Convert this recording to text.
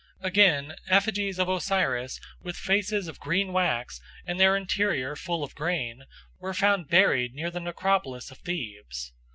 Again, effigies of Osiris, with faces of green wax and their interior full of grain, were found buried near the necropolis of Thebes.